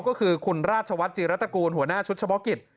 ก็คือคุณราชวัฒน์จีรัตกูลหัวหน้าชุดเฉพาะกิจ